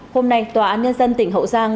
hôm nay tòa án nhân dân tỉnh hậu giang